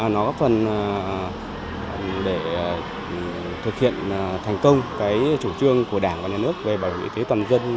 nó góp phần để thực hiện thành công chủ trương của đảng và nhà nước về bảo hiểm y tế toàn dân